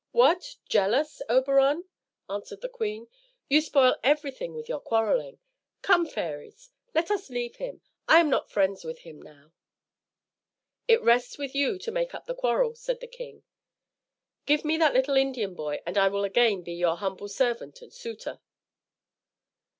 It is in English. "What! jealous, Oberon?" answered the queen. "You spoil everything with your quarreling. Come, fairies, let us leave him. I am not friends with him now." "It rests with you to make up the quarrel," said the king. "Give me that little Indian boy, and I will again be your humble servant and suitor."